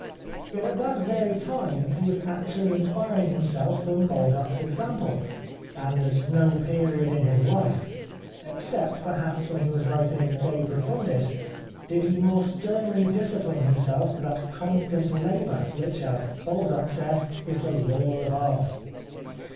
Yet at that very time he was actually inspiring himself from Balzac's example, and at no period in his life, except, perhaps, when he was writing " De Profundis," did he more sternly discipline himself to that constant labour which, as Balzac said, is the law of art.